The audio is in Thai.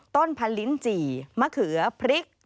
ต้นพันลิ้นจี่มะเขือพริก